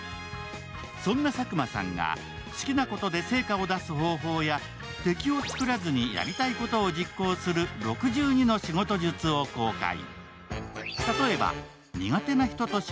そんな佐久間さんが好きなことで成果を出す方法や敵を作らずにやりたいことを実行する６２の仕事術を公開。